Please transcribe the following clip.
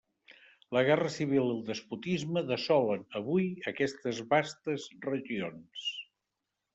La guerra civil i el despotisme desolen avui aquestes vastes regions.